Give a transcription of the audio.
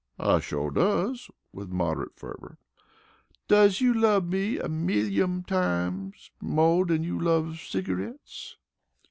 "I shore does" with moderate fervor. "Does you love me a millyum times mo' dan you loves cigareets?"